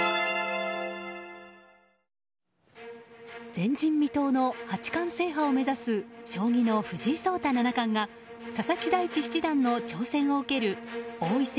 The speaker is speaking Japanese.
前人未到の八冠制覇を目指す将棋の藤井聡太七冠が佐々木大地七段の挑戦を受ける王位戦